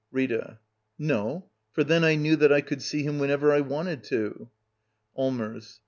Rita. No; for then I knew that I could see him "^whenever I wanted to. Allmers.